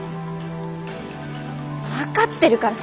分かってるから！